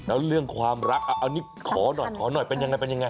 แล้วเรื่องความรักเอานี่ขอหน่อยเป็นอย่างไร